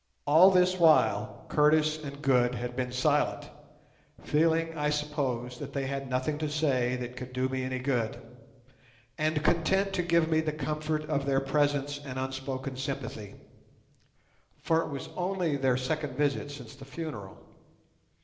All this while Curtis and Good had been silent, feeling, I suppose, that they had nothing to say that could do me any good, and content to give me the comfort of their presence and unspoken sympathy; for it was only their second visit since the funeral.